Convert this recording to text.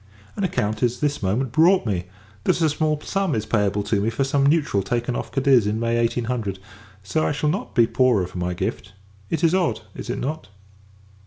An account is this moment brought me, that a small sum is payable to me, for some neutral taken off Cadiz in May 1800; so that I shall not be poorer for my gift. It is odd, is it not?